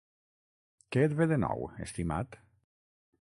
Què et ve de nou, estimat?